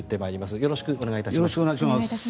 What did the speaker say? よろしくお願いします。